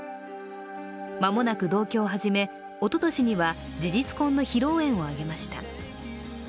間もなく同居を始めおととしには事実婚の披露宴を挙げました。